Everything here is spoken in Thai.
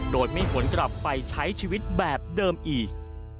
โดยไม่หวนกลับไปใช้ชีวิตแบบเดิมอีก